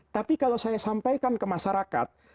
tapi kalau saya sampaikan ke masyarakat